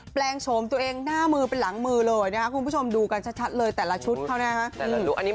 ลงโฉมตัวเองหน้ามือเป็นหลังมือเลยนะครับคุณผู้ชมดูกันชัดเลยแต่ละชุดเขานะฮะ